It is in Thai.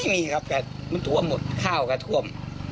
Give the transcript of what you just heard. ไม่มีครับแต่มันตัวหมดข้าวก็ท่วม